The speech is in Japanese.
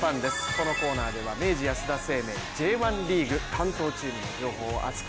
このコーナーでは明治安田生命Ｊ１リーグ関東チームの情報を熱く！